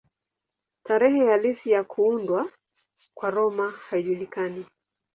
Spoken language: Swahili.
Tarehe halisi ya kuundwa kwa Roma haijulikani.